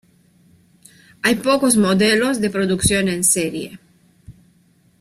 Hay pocos modelos de producción en serie.